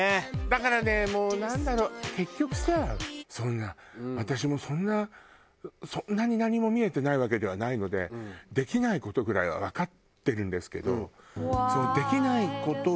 だからねもうなんだろう結局さそんな私もそんなそんなに何も見えてないわけではないのでできない事ぐらいはわかってるんですけど。